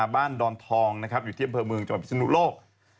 บ้านดอนทองอยู่ที่อำเภอเมืองจังหวัดพิศนุโลก